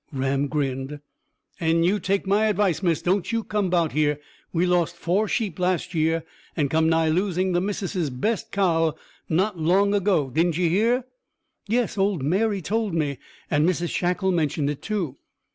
Ram grinned. "And you take my advice, miss, don't you come 'bout here. We lost four sheep last year, and come nigh losing the missuses best cow not long ago. Didn't you hear?" "Yes; old Mary told me, and Mrs Shackle mentioned it too."